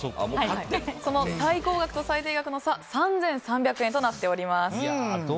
その最高額と最低額の差３３００円となっております。